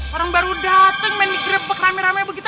orang baru dateng main di krepek rame rame begitu